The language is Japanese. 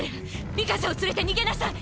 ミカサを連れて逃げなさい！